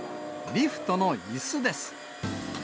リフトのいすです。